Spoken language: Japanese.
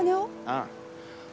ああ。